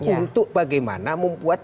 untuk bagaimana membuat